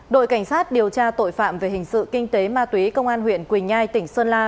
đội cảnh sát điều tra tội phạm về hình sự kinh tế ma túy công an huyện quỳnh nhai tỉnh sơn la